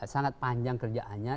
sangat panjang kerjaannya